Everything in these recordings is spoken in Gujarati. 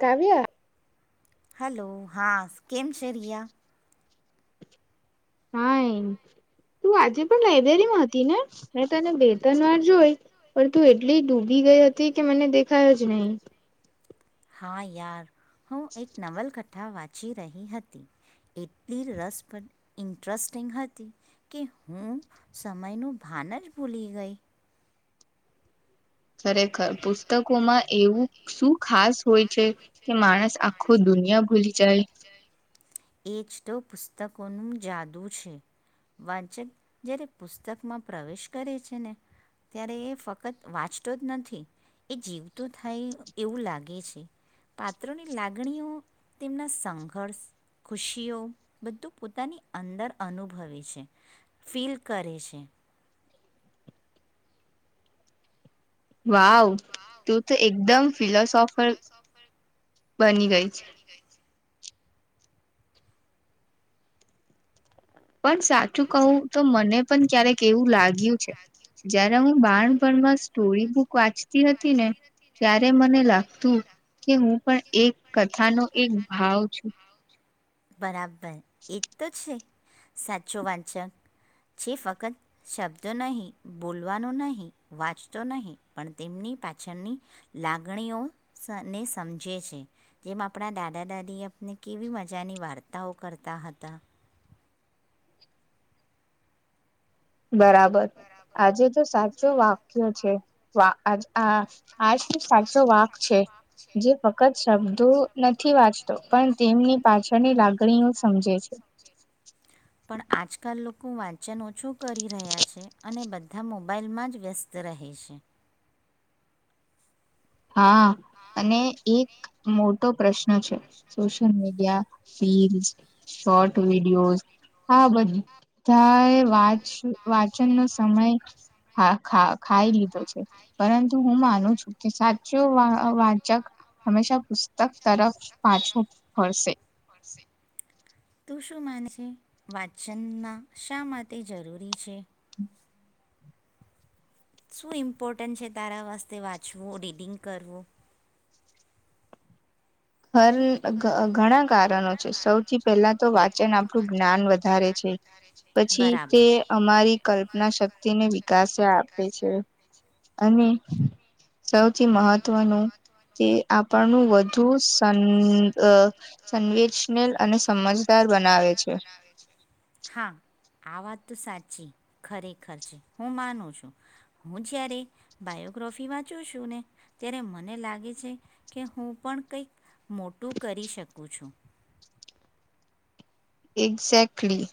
કાવ્ય. હલો હા સ્ કેમ શે રિયા? ફાઈન, એ તું આજે પણ લાઈબ્રેરીમાં હતી ને મે તને બે ત્રણ વાર જોઈ પણ તું એટલી ડૂબી ગઈ હતી કે મને દેખાય જ નહી. હા યાર. હું એક નવલ ઠા વાંચી રહી હતી, એટલી રસપદ ઇન્ટરેસ્ટિંગ હતી, કે હું સમયનું ભાન જ ભૂલી ગઈ. ખરેખર પુસ્તકો માં એવું શું ખાસ હોય છે કે માણસ આ ખું દુનિયા ભૂલી જાય. એ જ તો પુસ્તકોનું જાદુ છે, વાંચક જયારે પુસ્તકમાં પ્રવેશ કરે છે ને, ત્યારે એ ફક્ત વાંચતો જ નથી, એ જીવત થાય એવું લાગે છે, પાત્રોની લાગણીઓ તેમના સંઘર્ષ. ખુશીઓ બધું પોતાની અંદર અનુભવે છે, ફીલ કરે છે. વાવ તું તો એકદમ ફિલોસોફર બની ગઈ છે. પણ સાચું કહું તો મને પણ ક્યારેક એવું લાગ્યું છે, જય્યારે હું બાણ ભણમાં સ્ટોરી બુક વાંચતી હતી ને. ત્યારે મને લાગતું કે હું પણ એક કથાનો એક ભાવ છું. બરાબર. પણ એક તો છે. સાચો વાંચક છે ફક્ત શબ્દ નહી બોલવાનો નહીં વાંચતો નહીં પણ તેમની પાછળની. લાગણીઓને સમજે છે, જેમ આપણા દાદા દાદી આપને કેવી મજાની વાર્તાઓ કરતા હતા. બરાબર, આજે તો સાચો વાક્ય છે. વા અજ હ [unintelligible] ફક્ત શબ્દો નથી વાંચતો પણ તેમની પાછળની લાગણીઓ સમજે છે. પણ આજ કાલ નું લોકો વાંચન ઓછું કરી રહ્યા છે અને બધા મોબાાઈલમાં જ વ્યસ્ત રહે છે. હા અને એક મોટો પ્રશ્ન હ છે social media reels, short video આ બધા એ વાચ વાચનનો સમય ખાઈ લીધો છે, પરંતુ હું માનું છું કે સા વાચક હંમેશા પુસ્તક તરફ પાછવું પડશે. તું શું માને છે વાંચનમાં શા માટે જરૂરી છે? શું ઇમ્પોર્ટન્ટ છે તારા વાસ્તે વાંચવું, રીડિંગ કરવું? હર ઘ ઘણા કારણો છે. સૌથી પહેલા તો વાચન આપણું જ્ઞાન વધારે છે. પછી તે બરાબર જે અમારી કલ્પના શક્તિ ને વિકાસ આપે છે. અને સૌ જે મહત્વનું જે આપ પરનું વધુ સ સ અહ સંવેચશનીલ અને સમજદાર બનાવે છે. હા આ વાત તો સાચી, ખરેખર છે, હું માનું છું. હું જ્યારે બાયોગ્રોફી વાંચું છું ને ત્યારે મને લાગે છે કે હું પણ કંઈક મોટું કરી શકું છું. એક્ઝેક્ટલી.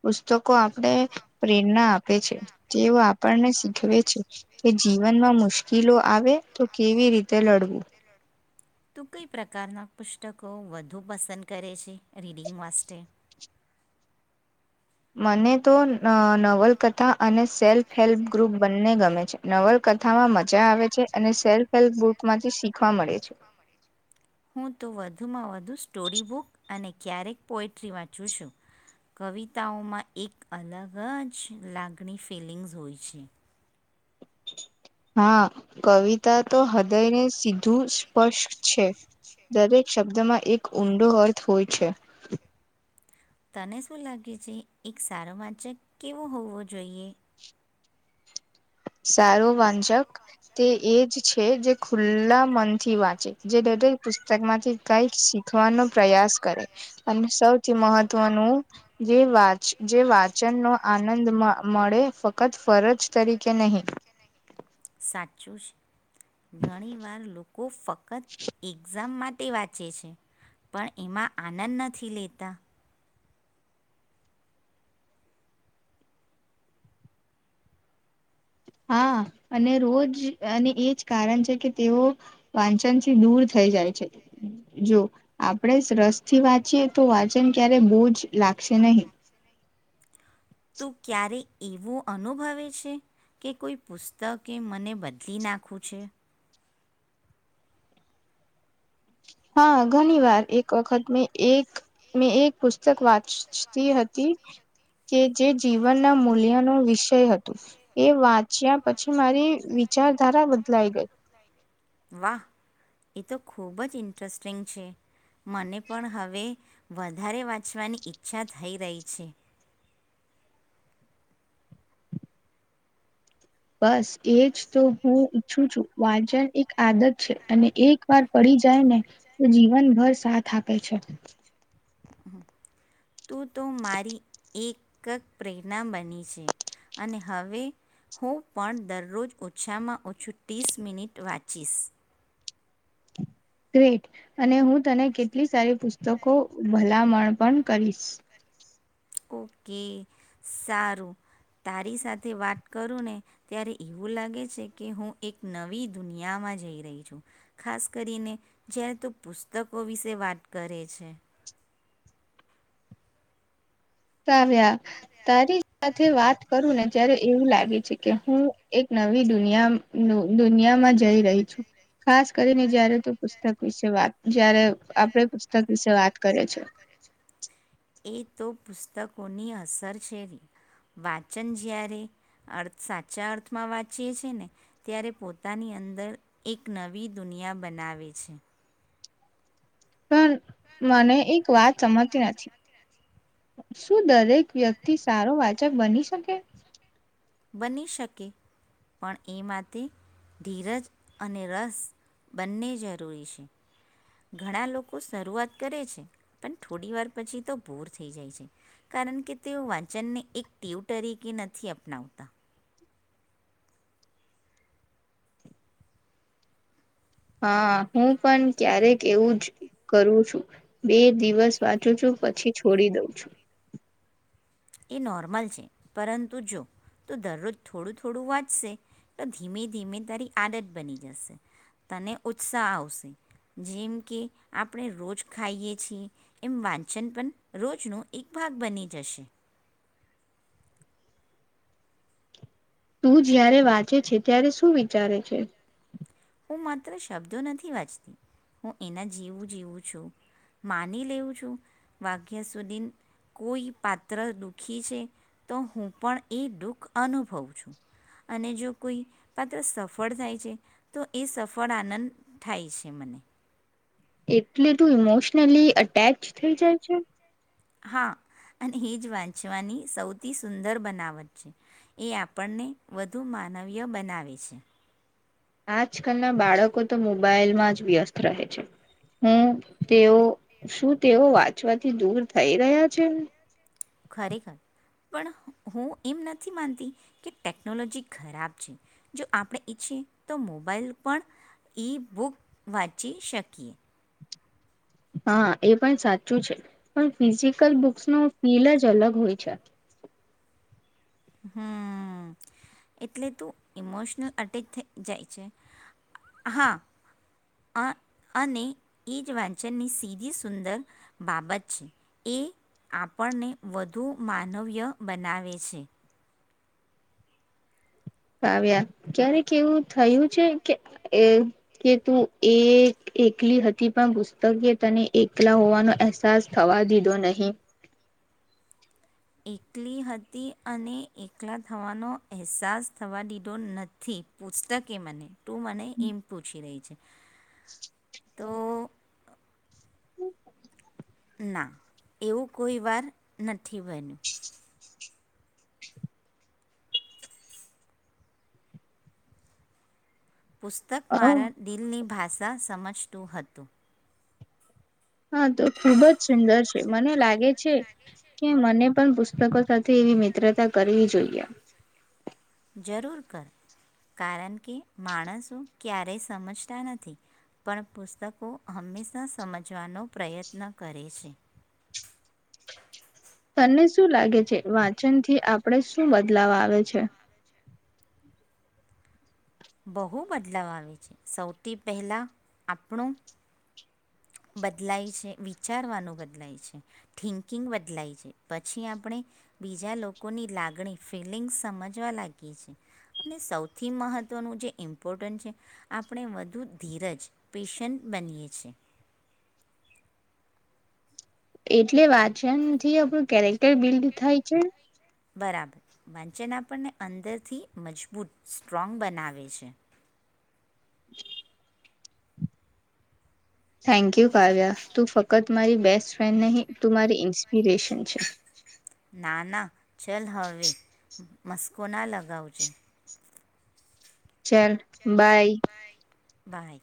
પુસ્તકો આપણે પ્રેરણા આપે છે. તેઓ આપણને શીખવે છે, કે જીવનમાં મુશ્કિલો આવે તો કેવી રીતે લડવું. તું કઈ પ્રકારના પુસ્તકો વધુ પસંદ કરે છે રીડિંગ માટે વાસ્ટે? મને તો ન નવલકથા અને સેલ્ફ હેલ્પ ગ્રુપ બંને ગમે છે. નવલકથામાં મજા આવે છે, અને સેલ્ફ હેલ્પ ગ્રુપમાંથી શીખવા મળે છે. હું તો વધુમાં વધુ સ્ટોરી બુક અને ક્યારેક પોઈટ્રી વાંચું છું. કવિતાઓમાં એક અલગ જ લાગણી ફિલિંગ્સ હોય છે. હા કવિતા તો હદયને સીધું સ્પષ્ટ છે. દરેક શબ્દમાં એક ઊંડો અર્થ હોય છે. તને શું લાગે છે, એક સારો વાંચક કેવો હોવો જોઈએ? સારો વાંચક તે એ જ છે જે ખુલ્લા મનથી વાંચે. જે દરેક પુસ્તક માંથી કાઈક શીખવાનો પ્રયાસ કરે, અને સૌથી મહત્વનું જે વાચ જે વાચન નો આનંદ મ મળે ફક્ત ફરજ તરીક સાચ [unintelligible] ઘણીવાર લોકો ફક્ત એક્ઝામ માટ ટે વાંચે છે. પણ એમાં આનંદ નથી લેતા. હા અને રોજ અને એજ કારણ છે કે તેઓ વાંચનથી દૂર થઈ જાય છે. જો આપણેે રસ થી વાંચીએ તો વાંચન ક્યારેય બોજ લાગશે નહી. તો ક્યારે એવું અનુભવે છે કે કોઈ પુસ્તકે મને બદલી નાખું છે? હા ઘણી વાર. એક વખત મેં એક-મેં એક પુસ્તક વાંચતી હતી કે જે જીવનના મૂલ્યનો વિષય હતો. એ વાંચ્યા પછી મારી વિચારધારા બદલાઈ ગઈ. વાહ એ તો ખૂબ જ ઇન્ટરેસ્ટિંગ છે. મને પણ હવે વધારે વાંચવાની ઈચ્છા થઈ રહી છે. બસ એજ તો હું ઈચ્છું છું. વાંચન એક આદત છે. અને એક વાર પડી જાય ને તો જીવનભર સાથ આપે છે. તું તું મારી એક ક પ્રેરણા બની છે, અને હવે હું પણ દરરોજ ઓછામાં ઓછું તીસ મિનિટ વાંચીશ. ગ્રેટ અને હું તને કેટલી સારી પુસ્તકો ભલામણ પણ કરીશ. ઓકે. સારું. તારી સાથે વાત કરું ને ત્યારે એવું લાગે છે કે હું એક નવી દુનિયામાં જઈ રહી છું. ખાસ કરીને જ્યારે તું પુસ્તકો વિશે વાત કરે છે. કાવ્યા તારી સાથે વાત કરું ને ત્યારે એવું લાગે છે કે હું એક નવી દુનિયા દુનિયામાં જઈ રહી છું. ખાસ કરીને જયારે તું પુસ્તક વિશે વાત, જયારે આપડે પુસ્તક વિશે વાત કરે છે. એ તો પુસ્તકોની અસર છે. વાંચન જ્યારે અર્થ સાચા અર્થમાં વાંચીએ છે ને, ત્યારે પોતાની અંદર એક નવી દુનિયા બનાવે છે. પણ મને એક વાત સમજતી નથી. શું દરેક વ્યક્તિ સારો વાચક બની શકે. બની શકે પણ એ માટે ધીરજ અને રસ બંને જરૂરી છે ઘણા લોકો શરૂઆત કરે છે, પણ થોડી વાર પછી તો બૂર થઈ જાય છે, કારણ કે તેઓ વાંચનને એક ટીવ તરીકે નથી અપનાવતા. [unintelligible] હા હું પણ ક્યારેક એવું જ કરું છું, બે દિવસ વાંચું છું પછી છોડી દઉં છું. એ નોર્મલ છે, પરંતુ જો તું જયારે વાંચે છે, ત્યારે શું વિચારે છે. હું માત્ર શબ્દો નથી વાંચતી હું એના જીવું જીવું છું, માની [unintelligible] છું વાક્ય સુધીન કોઈ પાત્ર દુઃખી છે તો હું પણ એ દુઃખ અનુભવું છું, અને જો કોઈ પાત્ર સફળ થાય છે. તો એ સફળ આનંદ થાય છે, મને. એટલે તું ઈમોશનલી અટેચ થઈ જાય છે. હા અને એ જ વાંચવાની સૌથી સુંદર બનાવટ છે, એ આપણને વધુ માનવીય બનાવે છે. આજકાલના બાળકો તો મોબાઈલમાં જ વ્યસ્ત રહે છે, હું તેઓ શું તેઓ વાંચવાથી દૂર થઈ રહ્યા છે. ખરેખર પણ હું એમ નથી માનતી કે ટેકનોલોજી ખરાબ છે, જો આપણે ઈચ્છીએ તો મોબાઈલ પણ ઈ બુક વાંચી શકીએ. હા એ પણ સાચું છે, પણ ફિઝિકલ બુક્સ ન ફીલ જ અલગ હોય છે. હમ એટલે તું ઇમોશનલ અટેક થઈ જાય છે, હા અ અને એ જ વાંચનની સીધી સુંદર બાબત છે, એ આપણને વધુ માનવીય બનાવે છે. આવાવ્યા ક્યારેક એવું થયું છે, કે કે તું એ [unintelligible] એકલી હતી પણ પુસ્તકે તને એકલા હોવાનો અહેસાસ થવા દીધો નહી. એકલી હતી અને એકલા થવાનો અહેસાસ થવા દીધો નથી પૂછતકે મને તું મને એમ પૂછી રહી છે. તો [inaudible] ના એવું કોઈ વાર નથી બન્યું. પુસ્તક મારા હા દિલની ભાત. આશા સમજતું હતું. હા તો ખુબ જ સુંદર છે, મને લાગે છે, કે મને પણ પુસ્તકો સાથે એવી મિત્રતા કરવી જોઈએ. જરૂર કર કારણ કે માણસો ક્યારેય સમજતા નથી પણ પુસ્તકો હંમેશા સમજવાનો પ્રયત્ન કરે છે. તને શું લાગે છે, વાંચનથી આપણે શું બદલાવ આવે છે. બહુ બદલાવ આવે છે, સૌથી પહેલાં આપણું. બદલાય છે, વિચ વિચારવાનું બદલાય છે, થિંકિંગ બદલાય છે, પછી આપણે બીજા લોકોની લાગણી ફિલિંગ્સ સમજવા લાગીએ છીએ અને સૌથી મહત્ત્વ નું જે ઇમ્પોર્ટન્ટ છે, આપણે વધુ ધીરજ પેશન્ટ બનીએ છીએ. એટલે વાત છે, એમ જે આપણું કેરેક્ટર બિલ્ડ થાય છે. બરાબર વાંચન આપણને અંદરથી મજબૂત સ્ટ્રોંગ બનાવે છે. [inaudible] થેન્ક યુ કાવ્ય તું ફક્ત મારી [unintelligible] ફ્રેડ [unintelligible] ઇન્પિરેશન છે. ના ના. ચલ હવે. મસ્કો ના લગાવજ ચાલ બાય. બાય.